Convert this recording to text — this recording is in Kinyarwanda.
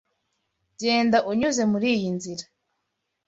Genda unyuze muriyi nzira.